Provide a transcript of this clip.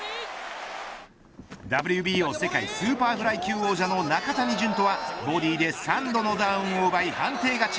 ＷＢＯ世界スーパーフライ級王者の中谷潤人はボディーで３度のダウンを奪い判定勝ち。